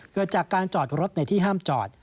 เกิดจากการจอดรถในที่ห้ามจอด